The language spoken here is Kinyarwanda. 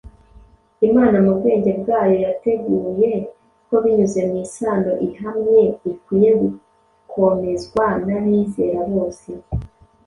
Imana mu bwenge bwayo yateguye ko binyuze mu isano ihamye ikwiye gukomezwa n’abizera bose,